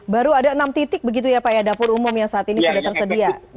baru ada enam titik begitu ya pak ya dapur umum yang saat ini sudah tersedia